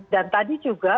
dan tadi juga